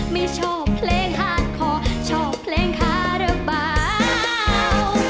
ไม่ชอบเพลงฮาร์ดคอชอบเพลงคาระบาว